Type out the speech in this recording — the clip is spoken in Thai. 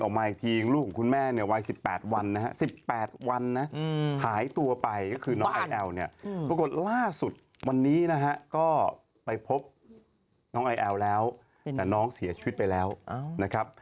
ออกมาอีกทียิ่งลูกของคุณแม่เนี่ยวาย๑๘วันนะครับ